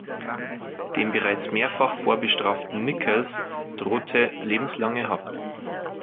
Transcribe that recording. Dem bereits mehrfach vorbestraften Nichols drohte lebenslange Haft.